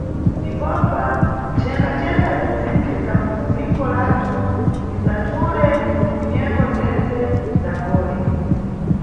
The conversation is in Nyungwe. Ndipopa, mcenga-cenga zizinji za mu dziko lathu, tingachule mu nyengo zentse za gole.